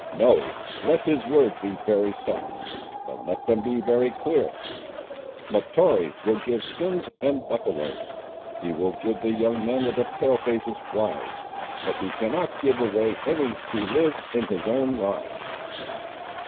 No; let his words be very soft, but let them be very clear. Mahtoree will give skins and buffaloes. He will give the young men of the Pale faces wives, but he cannot give away any who live in his own lodge."